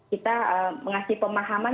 jadi kita mengasih pemahaman